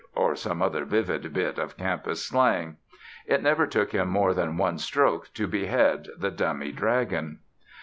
or some other vivid bit of campus slang. It never took him more than one stroke to behead the dummy dragon.